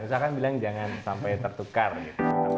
usah kan bilang jangan sampai tertukar gitu